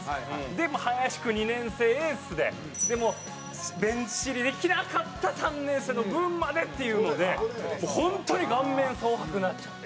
で林君２年生エースでベンチ入りできなかった３年生の分までっていうので本当に顔面蒼白になっちゃって。